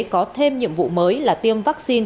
có thêm nhiệm vụ mới là tiêm vaccine